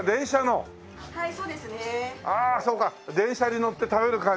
ああそうか電車に乗って食べる感じで。